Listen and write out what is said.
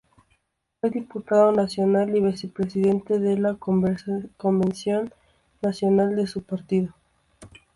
Fue diputado nacional y vicepresidente de la Convención Nacional de su partido.